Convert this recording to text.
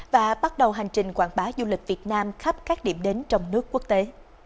và bắt đầu hành trình quảng bá du lịch việt nam khắp các điểm đến trong nước quốc tế